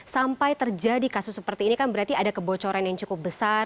sampai terjadi kasus seperti ini kan berarti ada kebocoran yang cukup besar